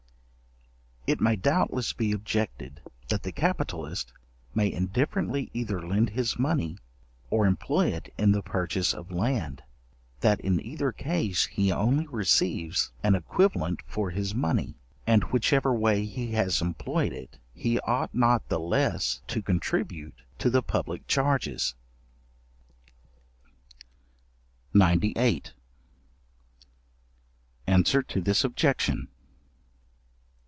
It may doubtless be objected, that the capitalist may indifferently either lend his money, or employ it in the purchase of land; that in either case he only receives an equivalent for his money, and whichever way he has employed it, he ought not the less to contribute to the public charges. §98. Answer to this objection.